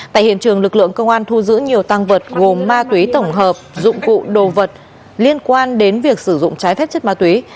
tại hiện trường lực lượng công an thu giữ nhiều tăng vật gồm ma túy tổng hợp dụng cụ đồ vật liên quan đến việc sử dụng trái phép chất ma túy